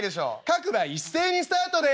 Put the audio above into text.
「各馬一斉にスタートです」。